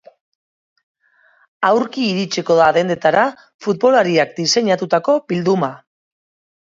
Aurki iritsiko da dendetara futbolariak diseinatuko bilduma.